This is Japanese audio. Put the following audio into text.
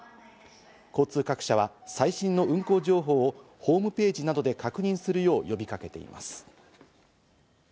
交通各社は最新の運行情報をホームページなどで確認するよう呼びかけています。